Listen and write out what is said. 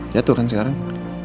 jatuh kan sekarang